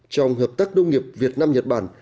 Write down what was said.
trong hợp tác nông nghiệp việt nam nhật bản